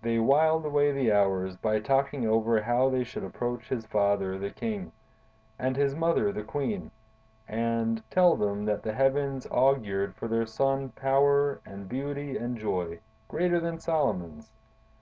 They whiled away the hours by talking over how they should approach his father, the king, and his mother, the queen, and tell them that the heavens augured for their son power and beauty and joy, greater than Solomon's.